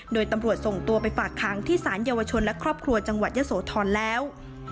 โดยตำรวจส่งตัวไปฝากค้างที่สารเยาวชนและครอบครัวจังหวัดยะโสธรแล้ว